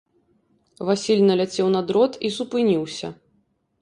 Васіль наляцеў на дрот і супыніўся.